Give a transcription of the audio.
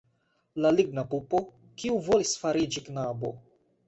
La ligna pupo, kiu volis fariĝi knabo?